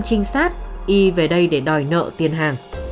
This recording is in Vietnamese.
trinh sát y về đây để đòi nợ tiền hàng